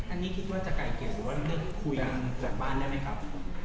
อันนี้คิดว่าจะไกลเกียรติหรือว่าคุยกันจากบ้านได้มั้ยครับ